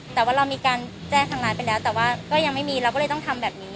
แต่ว่าเรามีการแจ้งทางร้านไปแล้วแต่ว่าก็ยังไม่มีเราก็เลยต้องทำแบบนี้